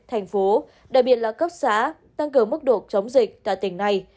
thành phố đặc biệt là cấp xã tăng cường mức độ chống dịch tại tỉnh này